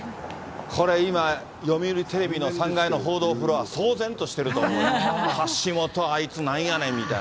これ、今、読売テレビの３階の報道フロア、騒然としてると思うわ、橋本、あいつ、なんやねんみたいな。